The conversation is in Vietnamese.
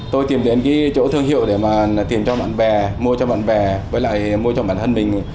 tôi tìm đến cái chỗ thương hiệu để mà tìm cho bạn bè mua cho bạn bè với lại mua cho bản thân mình